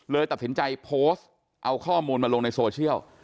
ตัดสินใจโพสต์เอาข้อมูลมาลงในโซเชียล